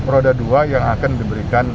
roda dua yang akan diberikan